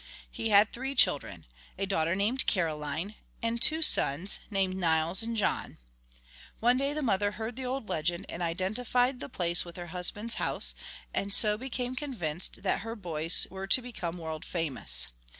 He had three children, a daughter named Caroline, and two sons, named Nils and John. One day the mother heard the old legend and identified the place with her husband's house, and so became convinced that her boys were to become world famous.